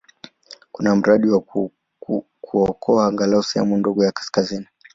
Kuna mradi wa kuokoa angalau sehemu ndogo ya kaskazini.